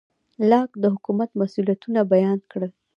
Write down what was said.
لاک د حکومت مسوولیتونه بیان کړل.